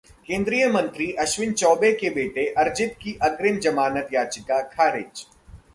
केंद्रीय मंत्री अश्वनी चौबे के बेटे अर्जित की अग्रिम जमानत याचिका खारिज